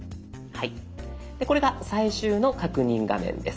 はいこれが最終の確認画面です。